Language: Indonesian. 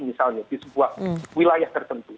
misalnya di sebuah wilayah tertentu